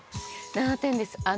７点です